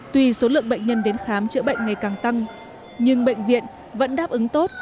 tuy số lượng bệnh nhân đến khám chữa bệnh ngày càng tăng nhưng bệnh viện vẫn đáp ứng tốt